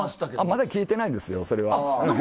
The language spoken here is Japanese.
まだ消えてないですよ、それは。